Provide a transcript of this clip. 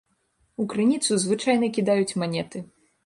У крыніцу звычайна кідаюць манеты.